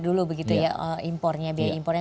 dulu impornya biaya impornya